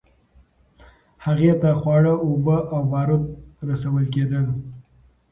هغې ته خواړه، اوبه او بارود رسول کېدل.